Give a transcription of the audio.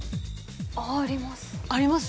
あります。